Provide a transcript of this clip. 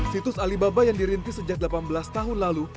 situs alibaba yang dirintis sejak delapan belas tahun lalu